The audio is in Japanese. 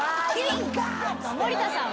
森田さん。